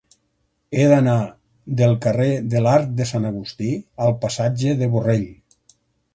He d'anar del carrer de l'Arc de Sant Agustí al passatge de Borrell.